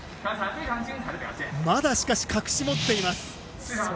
まだしかし隠し持っています。